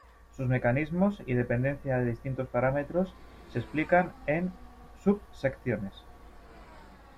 Sus mecanismos y dependencia de distintos parámetros se explican en subsecciones.